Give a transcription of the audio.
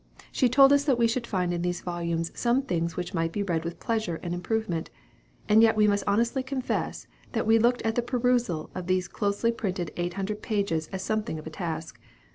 She told us that we should find in those volumes some things which might be read with pleasure and improvement. And yet we must honestly confess that we looked at the perusal of these closely printed eight hundred pages as something of a task.